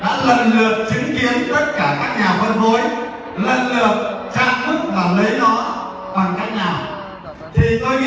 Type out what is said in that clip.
cả các anh chị đã lần lượt chứng kiến tất cả các nhà phân phối